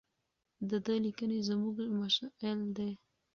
د ده لیکنې زموږ مشعل دي.